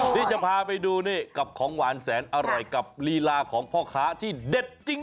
ที่จะพาไปดูนี่กับของหวานแสนอร่อยกับลีลาของพ่อค้าที่เด็ดจริง